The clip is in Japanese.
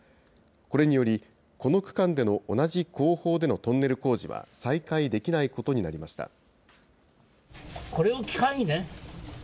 これにより、この区間での同じ工法でのトンネル工事は再開できないことになりました。